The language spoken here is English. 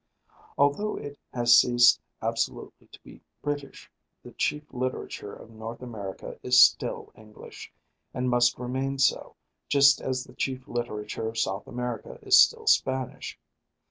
Although it has ceased absolutely to be British, the chief literature of North America is still English, and must remain so, just as the chief literature of South America is still Spanish.